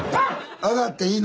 上がっていいの？